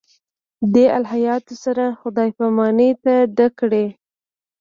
دې الهیاتو سره خدای پاماني نه ده کړې.